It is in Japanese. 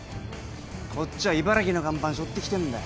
こっちは茨城の看板しょって来てんだよ。